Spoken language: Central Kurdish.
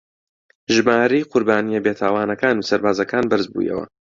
ژمارەی قوربانییە بێتاوانەکان و سەربازەکان بەرز بوویەوە